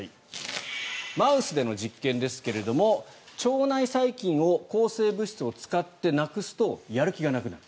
マウスでの実験ですけれども腸内細菌を抗生物質を使ってなくすとやる気がなくなる。